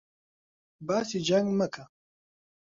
باسی جەنگ مەکە!